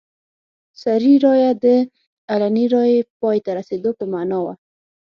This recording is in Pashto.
سري رایه د علني رایې پای ته رسېدو په معنا وه.